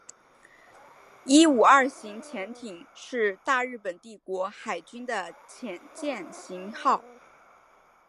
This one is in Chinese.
伊五二型潜艇是大日本帝国海军的潜舰型号。